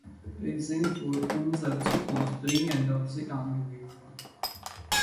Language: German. Wir sind für unsere Zukunft dringend auf sie angewiesen.